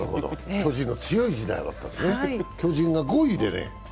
巨人の強い時代だったんですね、巨人が５位でね。